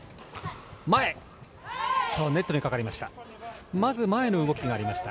ネットにかかりました。